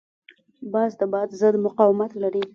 باز د باد ضد مقاومت لري